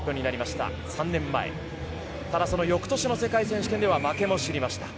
ただ、その翌年の世界選手権では負けも知りました。